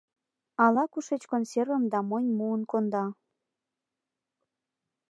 Ала-кушеч консервым да мойн муын конда.